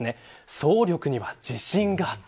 走力には自信があった。